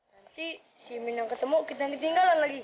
nanti si imin yang ketemu kita ketinggalan lagi